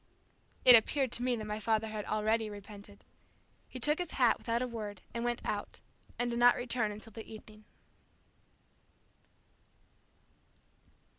It appeared to me that my father had already repented. He took his hat without a word and went out, and did not return until the evening.